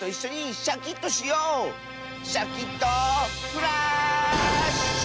シャキットフラーッシュ！